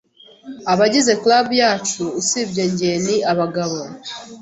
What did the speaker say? Abagize club yacu bose, usibye njye, ni abagabo.